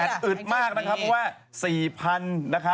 แล้วแบตเตอรี่แบตเตอรี่ล่ะ